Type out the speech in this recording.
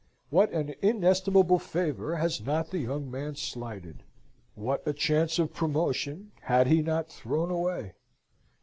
What an inestimable favour has not the young man slighted! What a chance of promotion had he not thrown away!